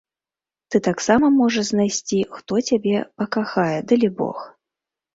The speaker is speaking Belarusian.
Ты таксама можаш знайсці, хто цябе пакахае, далібог.